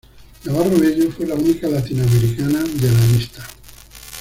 Navarro Bello fue la única latinoamericana de la lista.